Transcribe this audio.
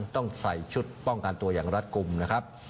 ต้องใส่ชุดป้องกันตัวอย่างรัฐกลุ่มนะครับ